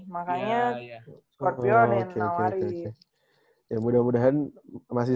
makanya scorpio ada yang nawarin